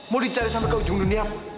mau dicari sampai ke ujung dunia